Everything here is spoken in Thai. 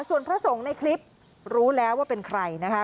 ส่วนพระสงฆ์ในคลิปรู้แล้วว่าเป็นใครนะคะ